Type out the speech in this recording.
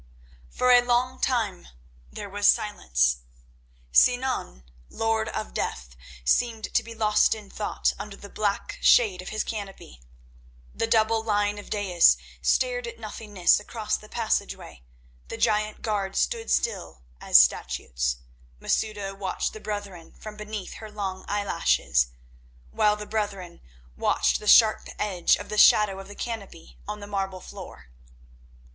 For a time there was silence. Sinan, Lord of Death, seemed to be lost in thought under the black shade of his canopy; the double line of daïs stared at nothingness across the passage way; the giant guards stood still as statues; Masouda watched the brethren from beneath her long eye lashes, while the brethren watched the sharp edge of the shadow of the canopy on the marble floor.